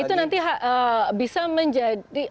itu nanti bisa menjadi